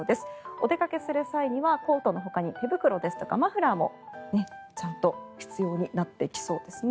お出かけする際にはコートのほかに手袋ですとかマフラーもちゃんと必要になってきそうですね。